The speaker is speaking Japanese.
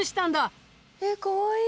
えっかわいい。